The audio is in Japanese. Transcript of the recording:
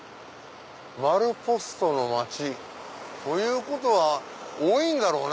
「丸ポストの町」。ということは多いんだろうね